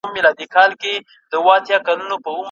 نابغه د ټول جهان او هندوستان یې